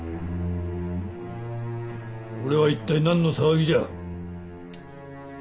これは一体何の騒ぎじゃ？